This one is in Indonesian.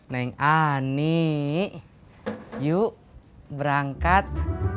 neng ani yuk berangkat